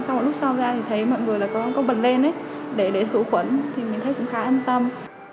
xong rồi lúc sau ra thì thấy mọi người có bật lên để thử khuẩn thì mình thấy cũng khá an tâm